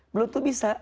belum tuh bisa